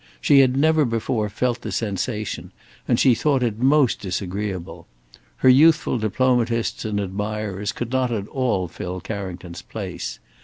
She had never before felt the sensation, and she thought it most disagreeable. Her youthful diplomatists and admirers could not at all fill Carrington's place.